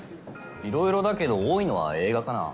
いろいろだけど多いのは映画かな。